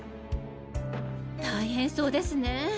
大変そうですね。